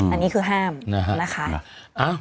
อันนี้คือห้ามนะคะ